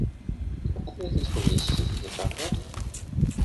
"To bohater jakiejś powieści, nieprawdaż?"